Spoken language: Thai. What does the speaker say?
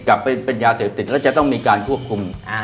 กลับไปเป็นยาเสพติดแล้วจะต้องมีการควบคุม